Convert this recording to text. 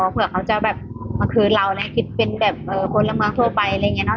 เผื่อเขาจะแบบมาคืนเรานะคิดเป็นแบบคนละเมืองทั่วไปอะไรอย่างนี้เนอ